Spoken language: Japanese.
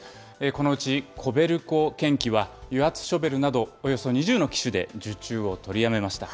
このうちコベルコ建機は油圧ショベルなどおよそ２０の機種で受注を取りやめました。